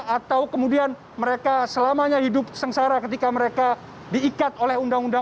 atau kemudian mereka selamanya hidup sengsara ketika mereka diikat oleh undang undang